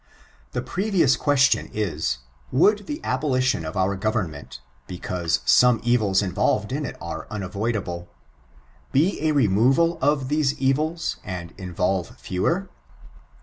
The previous question is, would the abolition of our government, because some evils involved in it are unavoidable, be a removal of these evils and involve fewer?